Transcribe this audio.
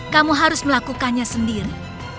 kamu harus melakukannya sendiri